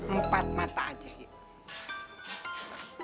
empat mata aja yuk